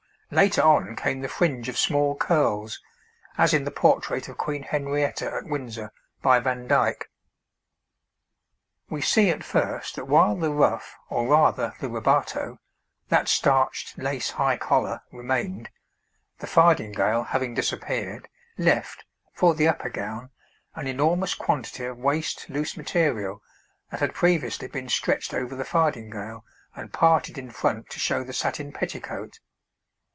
Later on came the fringe of small curls, as in the portrait of Queen Henrietta at Windsor by Vandyck. We see at first that while the ruff, or rather the rebatoe that starched lace high collar remained, the fardingale having disappeared, left, for the upper gown, an enormous quantity of waste loose material that had previously been stretched over the fardingale and parted in front to show the satin petticoat.